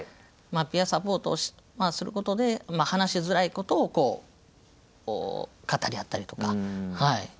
ピアサポートをすることで話しづらいことを語り合ったりとか。